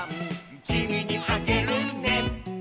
「きみにあげるね」